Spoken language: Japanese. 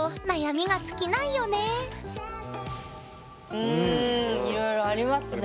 うんいろいろありますね。